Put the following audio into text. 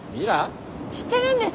知ってるんですか？